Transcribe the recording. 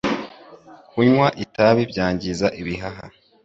Kunywa itabi byangiza ibihaha